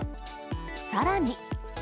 さらに。